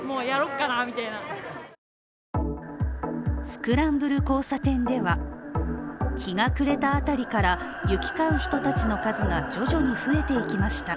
スクランブル交差点では日が暮れたあたりから、行き交う人たちの数が徐々に増えていきました。